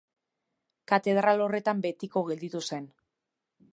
Katedral horretan betiko gelditu zen.